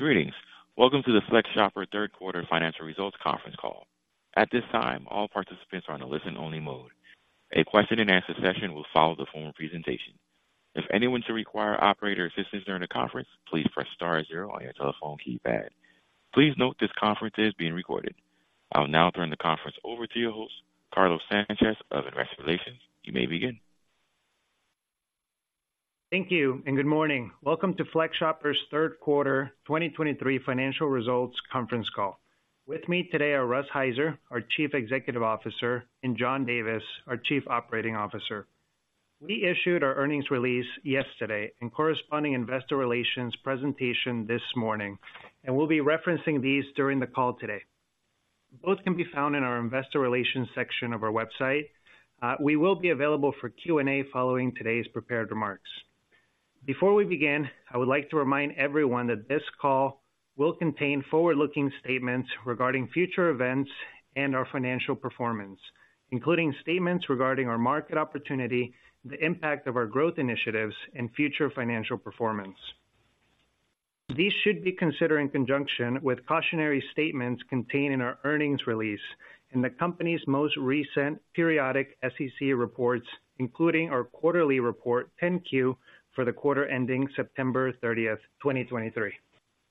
Greetings. Welcome to the FlexShopper Third Quarter Financial Results Conference Call. At this time, all participants are on a listen-only mode. A question and answer session will follow the formal presentation. If anyone should require operator assistance during the conference, please press star zero on your telephone keypad. Please note this conference is being recorded. I will now turn the conference over to your host, Carlos Sanchez of Investment Relations. You may begin. Thank you, and good morning. Welcome to FlexShopper's Third Quarter 2023 Financial Results Conference Call. With me today are Russ Heiser, our Chief Executive Officer, and John Davis, our Chief Operating Officer. We issued our earnings release yesterday and corresponding investor relations presentation this morning, and we'll be referencing these during the call today. Both can be found in our investor relations section of our website. We will be available for Q&A following today's prepared remarks. Before we begin, I would like to remind everyone that this call will contain forward-looking statements regarding future events and our financial performance, including statements regarding our market opportunity, the impact of our growth initiatives, and future financial performance. These should be considered in conjunction with cautionary statements contained in our earnings release in the company's most recent periodic SEC reports, including our quarterly report, 10-Q, for the quarter ending September 30, 2023.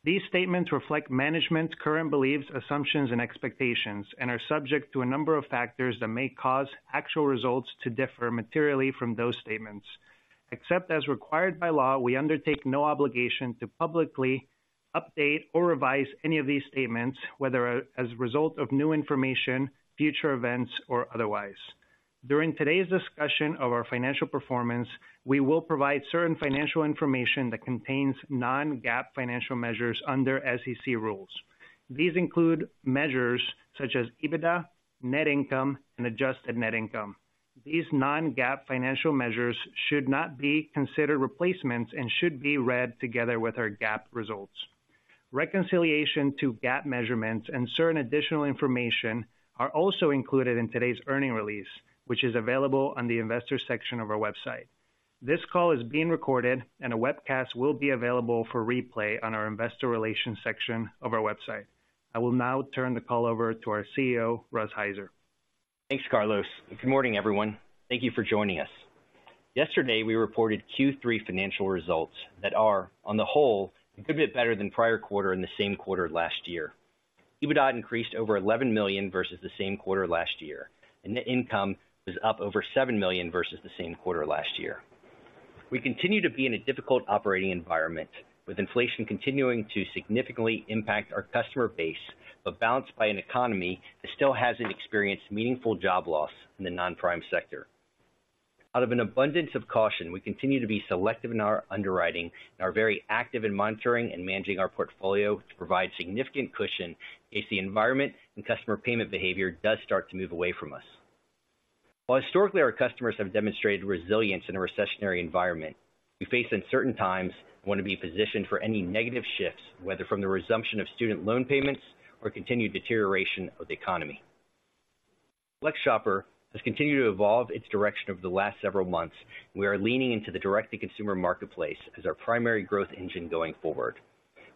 These statements reflect management's current beliefs, assumptions, and expectations and are subject to a number of factors that may cause actual results to differ materially from those statements. Except as required by law, we undertake no obligation to publicly update or revise any of these statements, whether as a result of new information, future events, or otherwise. During today's discussion of our financial performance, we will provide certain financial information that contains non-GAAP financial measures under SEC rules. These include measures such as EBITDA, net income and adjusted net income. These non-GAAP financial measures should not be considered replacements and should be read together with our GAAP results. Reconciliation to GAAP measurements and certain additional information are also included in today's earnings release, which is available on the investor section of our website. This call is being recorded, and a webcast will be available for replay on our investor relations section of our website. I will now turn the call over to our CEO, Russ Heiser. Thanks, Carlos, and good morning, everyone. Thank you for joining us. Yesterday, we reported Q3 financial results that are, on the whole, a good bit better than prior quarter in the same quarter last year. EBITDA increased over $11 million versus the same quarter last year, and net income was up over $7 million versus the same quarter last year. We continue to be in a difficult operating environment, with inflation continuing to significantly impact our customer base, but balanced by an economy that still hasn't experienced meaningful job loss in the non-prime sector. Out of an abundance of caution, we continue to be selective in our underwriting and are very active in monitoring and managing our portfolio to provide significant cushion if the environment and customer payment behavior does start to move away from us. While historically, our customers have demonstrated resilience in a recessionary environment, we face uncertain times and want to be positioned for any negative shifts, whether from the resumption of student loan payments or continued deterioration of the economy. FlexShopper has continued to evolve its direction over the last several months. We are leaning into the direct-to-consumer marketplace as our primary growth engine going forward.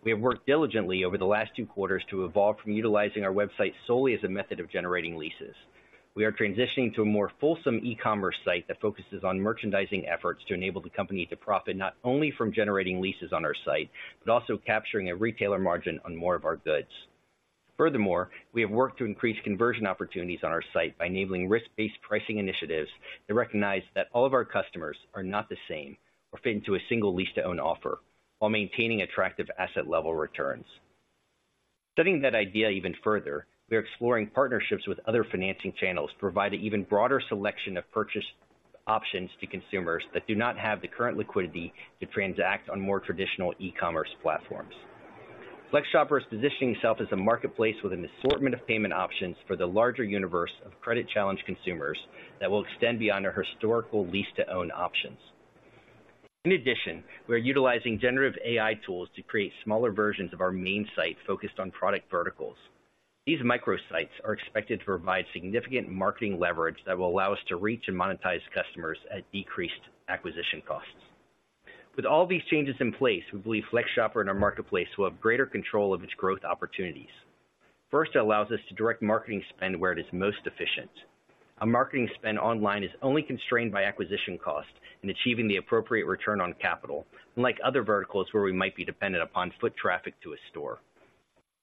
We have worked diligently over the last two quarters to evolve from utilizing our website solely as a method of generating leases. We are transitioning to a more fulsome e-commerce site that focuses on merchandising efforts to enable the company to profit not only from generating leases on our site, but also capturing a retailer margin on more of our goods. Furthermore, we have worked to increase conversion opportunities on our site by enabling risk-based pricing initiatives that recognize that all of our customers are not the same or fit into a single lease-to-own offer while maintaining attractive asset level returns. Studying that idea even further, we are exploring partnerships with other financing channels to provide an even broader selection of purchase options to consumers that do not have the current liquidity to transact on more traditional e-commerce platforms. FlexShopper is positioning itself as a marketplace with an assortment of payment options for the larger universe of credit-challenged consumers that will extend beyond our historical lease-to-own options. In addition, we are utilizing Generative AI tools to create smaller versions of our main site focused on product verticals. These microsites are expected to provide significant marketing leverage that will allow us to reach and monetize customers at decreased acquisition costs. With all these changes in place, we believe FlexShopper and our marketplace will have greater control of its growth opportunities. First, it allows us to direct marketing spend where it is most efficient. A marketing spend online is only constrained by acquisition cost and achieving the appropriate return on capital, unlike other verticals where we might be dependent upon foot traffic to a store.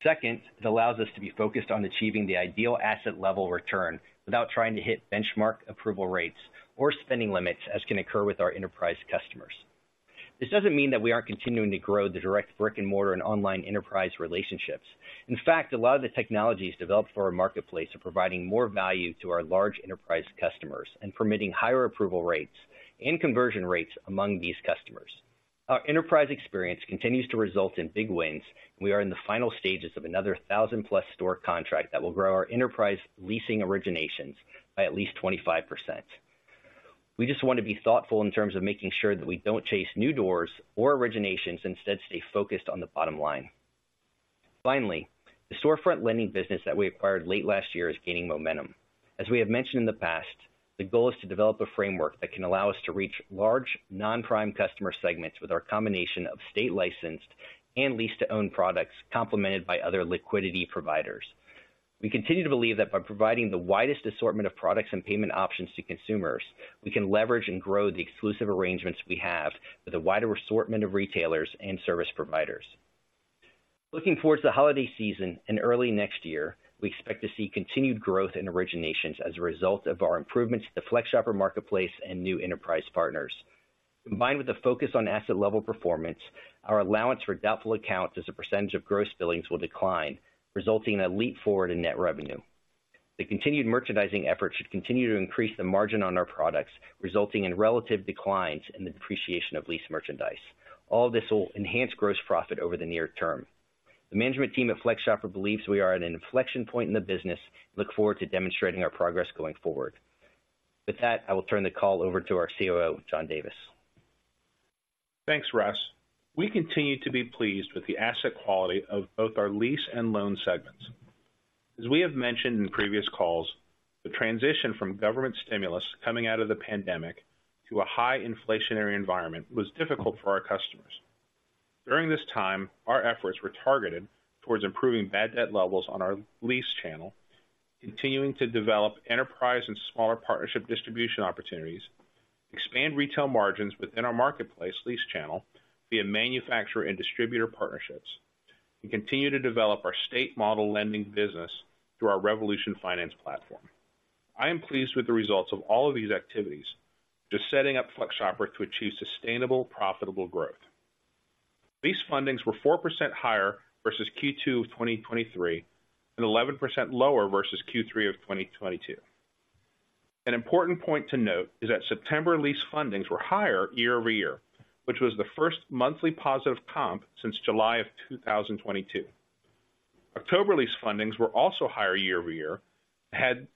Second, it allows us to be focused on achieving the ideal asset level return without trying to hit benchmark approval rates or spending limits, as can occur with our enterprise customers. This doesn't mean that we aren't continuing to grow the direct brick-and-mortar and online enterprise relationships. In fact, a lot of the technologies developed for our marketplace are providing more value to our large enterprise customers and permitting higher approval rates and conversion rates among these customers. Our enterprise experience continues to result in big wins, and we are in the final stages of another 1,000-plus store contract that will grow our enterprise leasing originations by at least 25%. We just want to be thoughtful in terms of making sure that we don't chase new doors or originations, instead, stay focused on the bottom line. Finally, the storefront lending business that we acquired late last year is gaining momentum. As we have mentioned in the past, the goal is to develop a framework that can allow us to reach large, non-prime customer segments with our combination of state-licensed and lease-to-own products, complemented by other liquidity providers. We continue to believe that by providing the widest assortment of products and payment options to consumers, we can leverage and grow the exclusive arrangements we have with a wider assortment of retailers and service providers. Looking forward to the holiday season and early next year, we expect to see continued growth in originations as a result of our improvements to the FlexShopper Marketplace and new enterprise partners. Combined with a focus on asset level performance, our allowance for doubtful accounts as a percentage of gross billings will decline, resulting in a leap forward in net revenue. The continued merchandising efforts should continue to increase the margin on our products, resulting in relative declines in the depreciation of lease merchandise. All this will enhance gross profit over the near term. The management team at FlexShopper believes we are at an inflection point in the business and look forward to demonstrating our progress going forward. With that, I will turn the call over to our COO, John Davis. Thanks, Russ. We continue to be pleased with the asset quality of both our lease and loan segments. As we have mentioned in previous calls, the transition from government stimulus coming out of the pandemic to a high inflationary environment was difficult for our customers. During this time, our efforts were targeted towards improving bad debt levels on our lease channel, continuing to develop enterprise and smaller partnership distribution opportunities, expand retail margins within our marketplace lease channel via manufacturer and distributor partnerships, and continue to develop our state model lending business through our Revolution Finance platform. I am pleased with the results of all of these activities to setting up FlexShopper to achieve sustainable, profitable growth. Lease fundings were 4% higher versus Q2 of 2023, and 11% lower versus Q3 of 2022. An important point to note is that September lease fundings were higher year-over-year, which was the first monthly positive comp since July of 2022. October lease fundings were also higher year-over-year, and had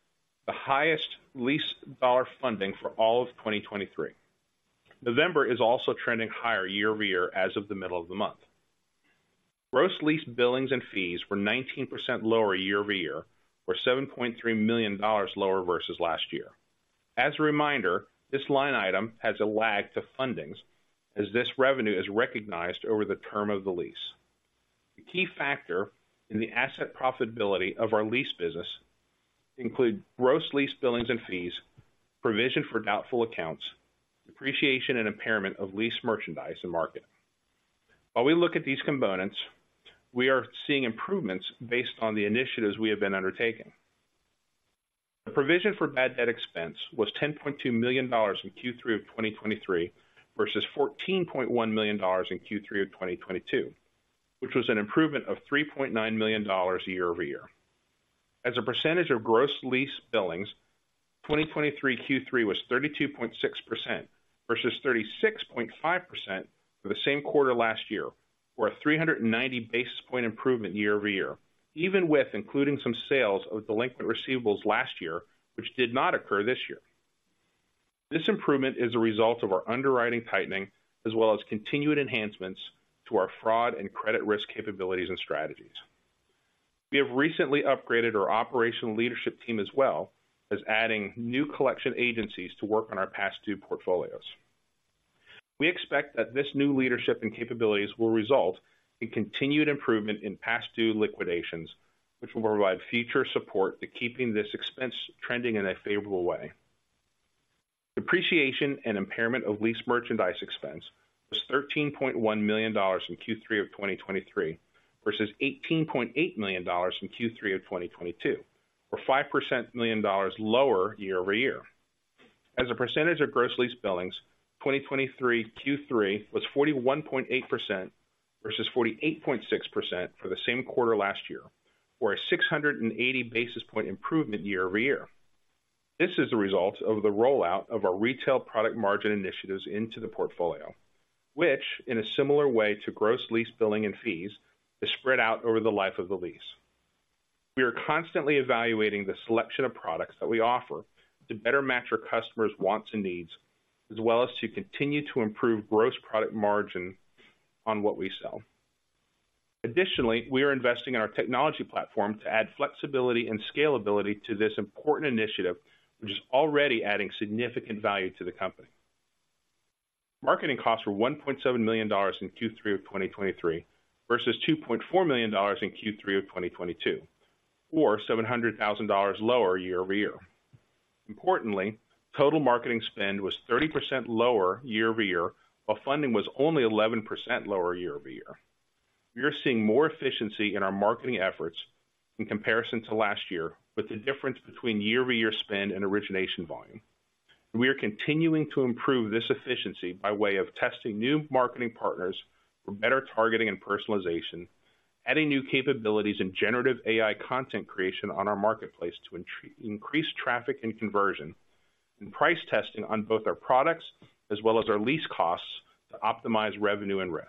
the highest lease dollar funding for all of 2023. November is also trending higher year-over-year as of the middle of the month. Gross lease billings and fees were 19% lower year-over-year, or $7.3 million lower versus last year. As a reminder, this line item has a lag to fundings as this revenue is recognized over the term of the lease. The key factor in the asset profitability of our lease business include gross lease billings and fees, provision for doubtful accounts, depreciation and impairment of lease merchandise and market. While we look at these components, we are seeing improvements based on the initiatives we have been undertaking. The provision for bad debt expense was $10.2 million in Q3 of 2023, versus $14.1 million in Q3 of 2022, which was an improvement of $3.9 million year-over-year. As a percentage of gross lease billings, 2023 Q3 was 32.6% versus 36.5% for the same quarter last year, or a 390 basis point improvement year-over-year, even with including some sales of delinquent receivables last year, which did not occur this year. This improvement is a result of our underwriting tightening, as well as continued enhancements to our fraud and credit risk capabilities and strategies. We have recently upgraded our operational leadership team, as well as adding new collection agencies to work on our past due portfolios. We expect that this new leadership and capabilities will result in continued improvement in past due liquidations, which will provide future support to keeping this expense trending in a favorable way. Depreciation and impairment of lease merchandise expense was $13.1 million in Q3 of 2023, versus $18.8 million in Q3 of 2022, or $5.7 million lower year-over-year. As a percentage of gross lease billings, 2023 Q3 was 41.8% versus 48.6% for the same quarter last year, or a 680 basis point improvement year-over-year. This is the result of the rollout of our retail product margin initiatives into the portfolio, which, in a similar way to gross lease billing and fees, is spread out over the life of the lease. We are constantly evaluating the selection of products that we offer to better match our customers' wants and needs, as well as to continue to improve gross product margin on what we sell. Additionally, we are investing in our technology platform to add flexibility and scalability to this important initiative, which is already adding significant value to the company. Marketing costs were $1.7 million in Q3 of 2023, versus $2.4 million in Q3 of 2022, or $700,000 lower year-over-year. Importantly, total marketing spend was 30% lower year-over-year, while funding was only 11% lower year-over-year. We are seeing more efficiency in our marketing efforts in comparison to last year, with the difference between year-over-year spend and origination volume. We are continuing to improve this efficiency by way of testing new marketing partners for better targeting and personalization, adding new capabilities in generative AI content creation on our marketplace to increase traffic and conversion, and price testing on both our products as well as our lease costs to optimize revenue and risk.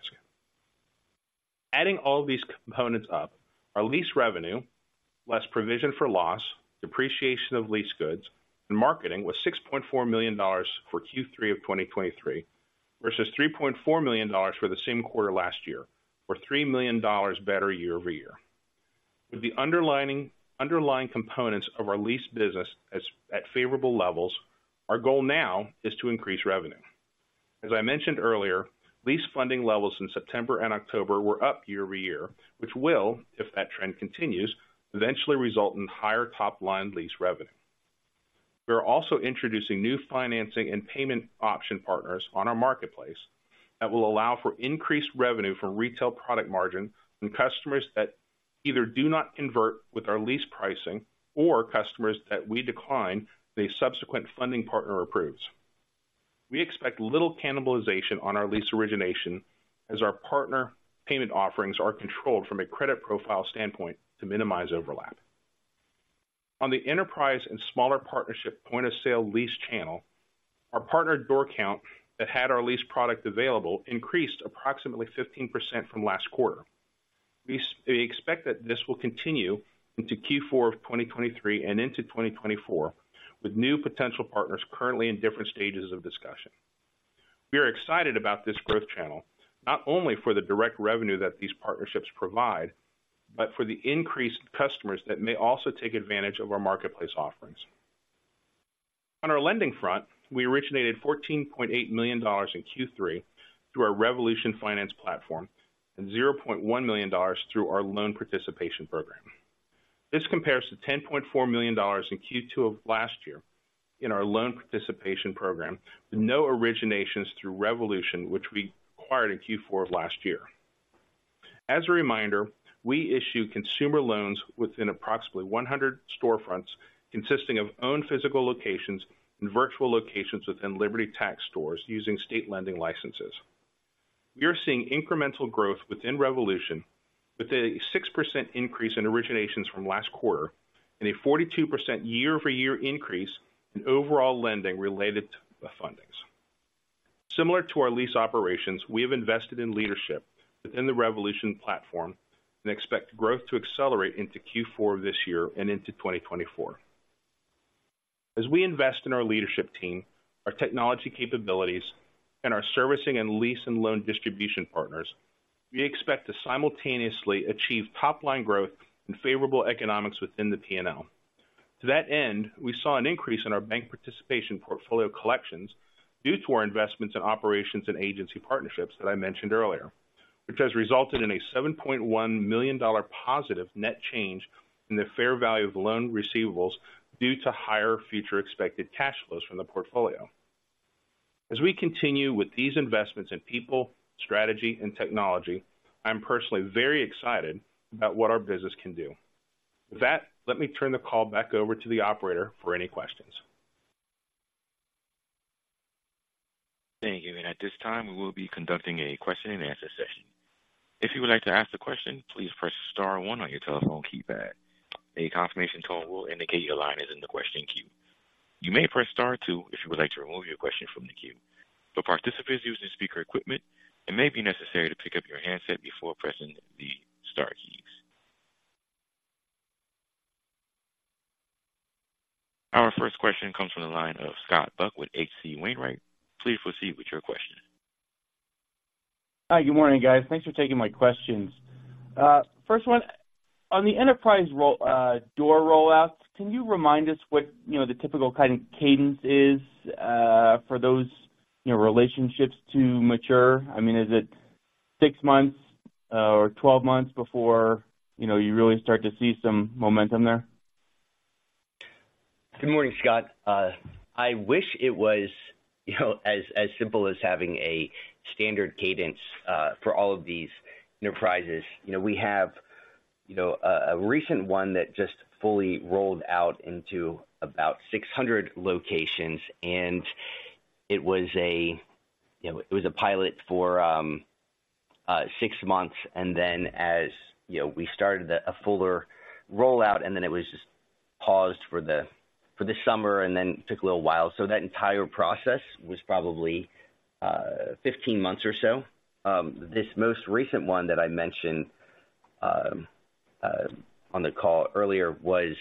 Adding all these components up, our lease revenue less provision for loss, depreciation of lease goods, and marketing was $6.4 million for Q3 of 2023, versus $3.4 million for the same quarter last year, or $3 million better year-over-year. With the underlying components of our lease business at favorable levels, our goal now is to increase revenue. As I mentioned earlier, lease funding levels in September and October were up year-over-year, which will, if that trend continues, eventually result in higher top-line lease revenue. We are also introducing new financing and payment option partners on our marketplace that will allow for increased revenue from retail product margin and customers that either do not convert with our lease pricing or customers that we decline, the subsequent funding partner approves. We expect little cannibalization on our lease origination as our partner payment offerings are controlled from a credit profile standpoint to minimize overlap. On the enterprise and smaller partnership point-of-sale lease channel, our partner door count that had our lease product available increased approximately 15% from last quarter. We expect that this will continue into Q4 of 2023 and into 2024, with new potential partners currently in different stages of discussion. We are excited about this growth channel, not only for the direct revenue that these partnerships provide, but for the increased customers that may also take advantage of our marketplace offerings. On our lending front, we originated $14.8 million in Q3 through our Revolution Finance platform and $0.1 million through our loan participation program. This compares to $10.4 million in Q2 of last year in our loan participation program, with no originations through Revolution, which we acquired in Q4 of last year. As a reminder, we issue consumer loans within approximately 100 storefronts, consisting of owned physical locations and virtual locations within Liberty Tax stores using state lending licenses. We are seeing incremental growth within Revolution, with a 6% increase in originations from last quarter and a 42% year-over-year increase in overall lending related to the fundings. Similar to our lease operations, we have invested in leadership within the Revolution platform and expect growth to accelerate into Q4 this year and into 2024. As we invest in our leadership team, our technology capabilities, and our servicing and lease and loan distribution partners, we expect to simultaneously achieve top-line growth and favorable economics within the P&L. To that end, we saw an increase in our bank participation portfolio collections due to our investments in operations and agency partnerships that I mentioned earlier, which has resulted in a $7.1 million positive net change in the fair value of loan receivables due to higher future expected cash flows from the portfolio. As we continue with these investments in people, strategy, and technology, I'm personally very excited about what our business can do. With that, let me turn the call back over to the operator for any questions. Thank you. At this time, we will be conducting a question-and-answer session. If you would like to ask a question, please press star one on your telephone keypad. A confirmation tone will indicate your line is in the question queue. You may press star two if you would like to remove your question from the queue. For participants using speaker equipment, it may be necessary to pick up your handset before pressing the star keys. Our first question comes from the line of Scott Buck with H.C. Wainwright. Please proceed with your question. Hi, good morning, guys. Thanks for taking my questions. First one, on the enterprise door rollout, can you remind us what, you know, the typical kind of cadence is, for those, you know, relationships to mature? I mean, is it six months, or 12 months before, you know, you really start to see some momentum there? Good morning, Scott. I wish it was, you know, as simple as having a standard cadence for all of these enterprises. You know, we have, you know, a recent one that just fully rolled out into about 600 locations, and it was a pilot for six months. And then as, you know, we started a fuller rollout, and then it was just paused for the summer, and then took a little while. So that entire process was probably 15 months or so. This most recent one that I mentioned on the call earlier was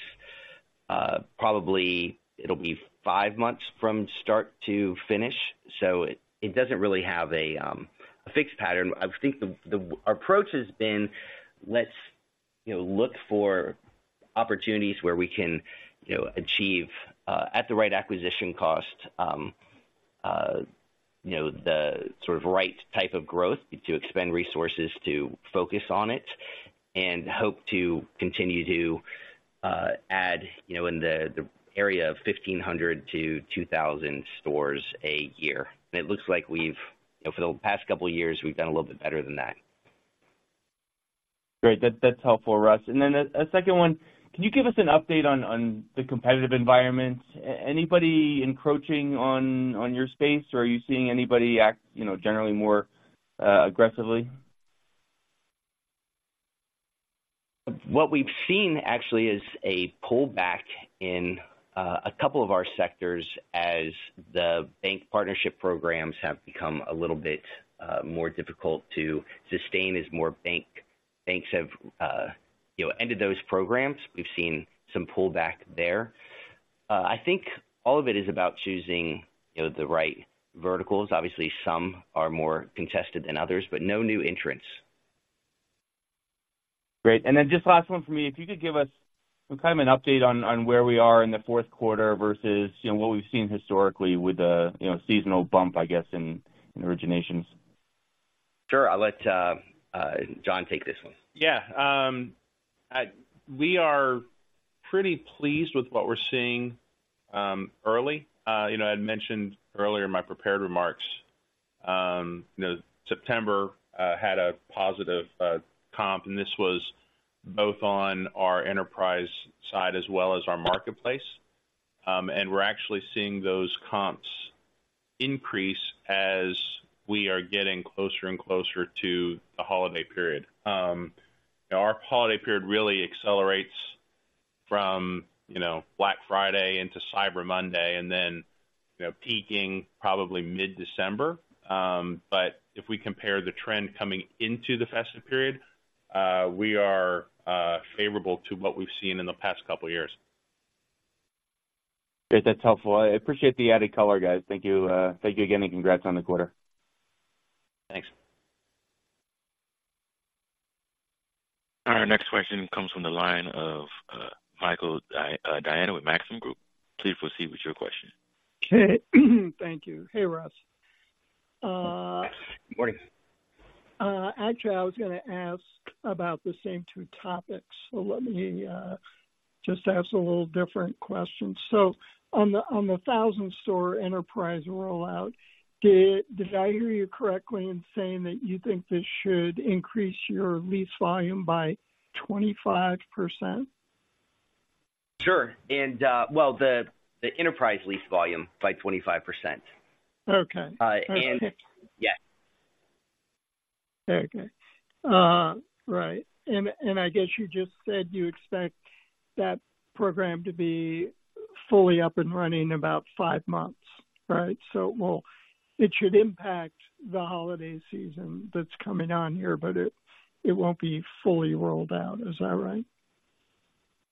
probably it'll be five months from start to finish, so it doesn't really have a fixed pattern. I think the... Our approach has been, let's, you know, look for opportunities where we can, you know, achieve at the right acquisition cost, you know, the sort of right type of growth to expend resources to focus on it, and hope to continue to add, you know, in the area of 1,500-2,000 stores a year. It looks like we've, for the past couple of years, we've done a little bit better than that. Great. That's helpful, Russ. And then a second one: Can you give us an update on the competitive environment? Anybody encroaching on your space, or are you seeing anybody act, you know, generally more aggressively? What we've seen actually is a pullback in a couple of our sectors as the bank partnership programs have become a little bit more difficult to sustain, as more banks have, you know, ended those programs. We've seen some pullback there.... I think all of it is about choosing, you know, the right verticals. Obviously, some are more contested than others, but no new entrants. Great. Then just last one from me. If you could give us some kind of an update on where we are in the fourth quarter versus, you know, what we've seen historically with the, you know, seasonal bump, I guess, in originations. Sure. I'll let John take this one. Yeah. We are pretty pleased with what we're seeing early. You know, I had mentioned earlier in my prepared remarks, you know, September had a positive comp, and this was both on our enterprise side as well as our marketplace. And we're actually seeing those comps increase as we are getting closer and closer to the holiday period. Our holiday period really accelerates from, you know, Black Friday into Cyber Monday and then, you know, peaking probably mid-December. But if we compare the trend coming into the festive period, we are favorable to what we've seen in the past couple of years. Great, that's helpful. I appreciate the added color, guys. Thank you. Thank you again, and congrats on the quarter. Thanks. Our next question comes from the line of, Michael Diana, with Maxim Group. Please proceed with your question. Okay. Thank you. Hey, Russ. Morning. Actually, I was gonna ask about the same two topics, so let me just ask a little different question. So on the, on the 1,000-store enterprise rollout, did I hear you correctly in saying that you think this should increase your lease volume by 25%? Sure. And, the enterprise lease volume by 25%. Okay. Yeah. Okay. Right. And I guess you just said you expect that program to be fully up and running in about five months, right? So, well, it should impact the holiday season that's coming on here, but it won't be fully rolled out. Is that right?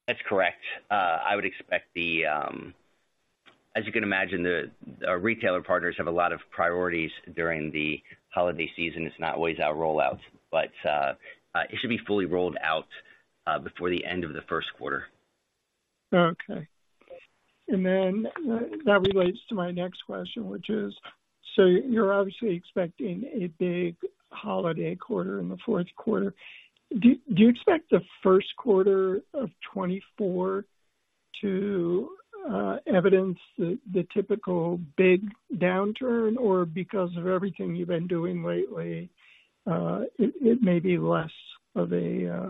That's correct. I would expect the... As you can imagine, our retailer partners have a lot of priorities during the holiday season. It's not always our rollouts, but it should be fully rolled out before the end of the first quarter. Okay. And then that relates to my next question, which is: So you're obviously expecting a big holiday quarter in the fourth quarter. Do you expect the first quarter of 2024 to evidence the typical big downturn, or because of everything you've been doing lately, it may be less of a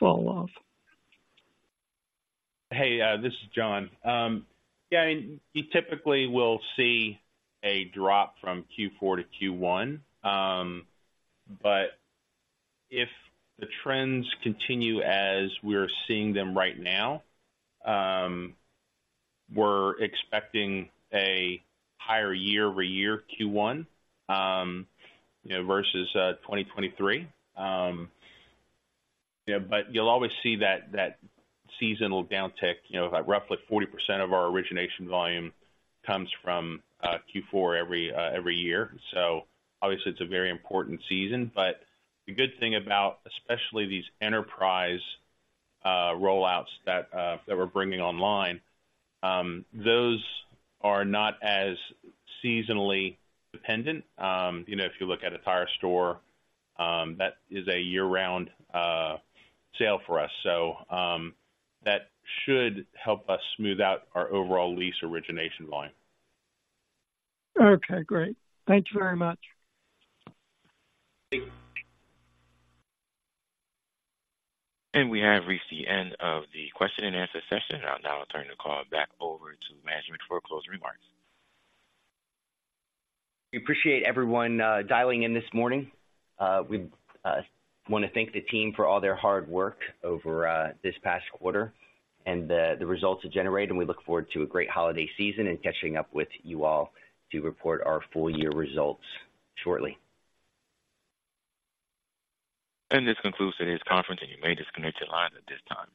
falloff? Hey, this is John. Yeah, I mean, you typically will see a drop from Q4 to Q1. But if the trends continue as we're seeing them right now, we're expecting a higher year-over-year Q1, you know, versus 2023. Yeah, but you'll always see that seasonal downtick. You know, roughly 40% of our origination volume comes from Q4 every year. So obviously, it's a very important season. But the good thing about, especially these enterprise rollouts that we're bringing online, those are not as seasonally dependent. You know, if you look at a tire store, that is a year-round sale for us. So, that should help us smooth out our overall lease origination line. Okay, great. Thank you very much. Thank you. We have reached the end of the question and answer session. I'll now turn the call back over to management for closing remarks. We appreciate everyone dialing in this morning. We want to thank the team for all their hard work over this past quarter and the results it generated, and we look forward to a great holiday season and catching up with you all to report our full year results shortly. This concludes today's conference, and you may disconnect your lines at this time.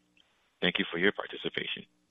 Thank you for your participation.